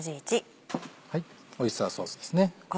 オイスターソースですね。